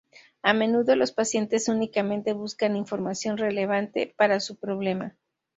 A menudo los pacientes únicamente buscan información relevante para su problema.